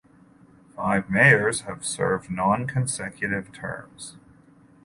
Five mayors have served non-consecutive terms.